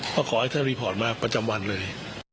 ก็ขอให้ท่านรีพอร์ตมาประจำวันเลย